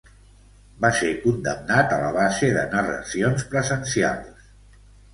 Va ser condemnat a la base de narracions presencials.